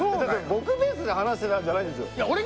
僕ベースで話してたんじゃないんですよ